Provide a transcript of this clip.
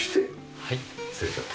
はい。